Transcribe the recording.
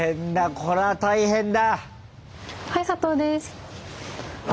これは大変だ！